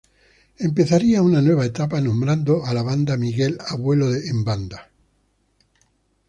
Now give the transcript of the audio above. Empezaría una nueva etapa, nombrando a la banda Miguel Abuelo en Banda.